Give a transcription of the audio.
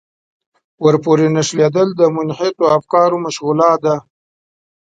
ورپورې نښلېدل د منحطو افکارو مشغولا ده.